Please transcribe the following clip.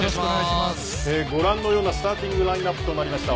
ご覧のようなスターティングラインアップとなりました。